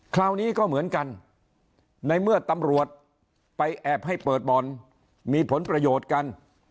คราวนี้ก็เหมือนกันในเมื่อตำรวจไปแอบให้เปิดบ่อนมีผลประโยชน์กัน